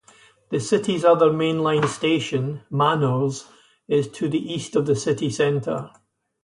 The city's other mainline station, Manors, is to the east of the city centre.